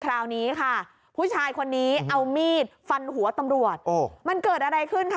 คราวนี้ค่ะผู้ชายคนนี้เอามีดฟันหัวตำรวจมันเกิดอะไรขึ้นคะ